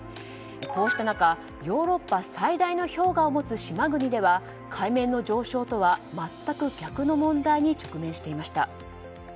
こうした中、ヨーロッパ最大の氷河を持つ島国では海面の上昇とは全く逆の問題に直面していました。